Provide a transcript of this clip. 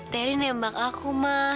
terry nembak aku ma